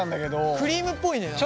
クリームっぽいね何か。